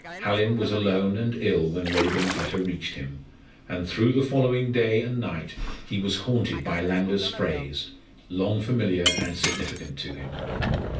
Hallin was alone and ill when Raeburn's letter reached him, and through the following day and night he was haunted by Landor's phrase, long familiar and significant to him.